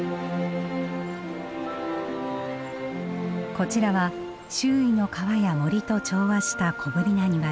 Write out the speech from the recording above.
こちらは周囲の川や森と調和した小ぶりな庭です。